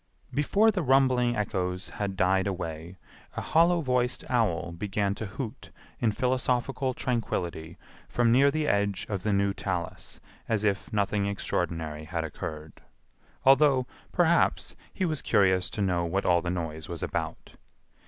Before the rumbling echoes had died away a hollow voiced owl began to hoot in philosophical tranquillity from near the edge of the new talus as if nothing extraordinary had occurred, although, perhaps, he was curious to know what all the noise was about.